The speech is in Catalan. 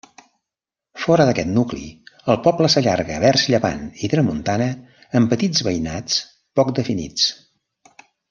Fora d'aquest nucli el poble s'allarga vers llevant i tramuntana en petits veïnats poc definits.